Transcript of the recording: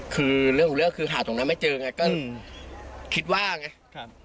คือเรื่องของเรื่องคือหาตรงนั้นไม่เจอไงก็คิดว่าไง